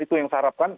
itu yang saya harapkan